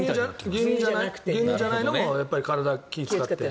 牛乳じゃないのも体に気を使って。